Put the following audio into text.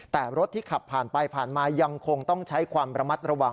แต่รถที่ขับผ่านไปผ่านมายังคงต้องใช้ความระมัดระวัง